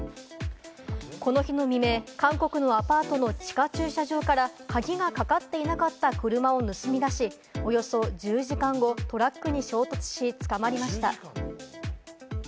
この日の未明、韓国のアパートの地下駐車場から鍵がかかっていなかった車を盗み出し、およそ１０時間後、トラックに衝突し、捕まりました。